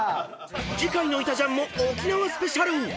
［次回の『いたジャン』も沖縄スペシャル］